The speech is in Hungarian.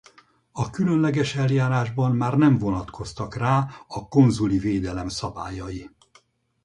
A különleges eljárásban már nem vonatkoztak rá a konzuli védelem szabályai.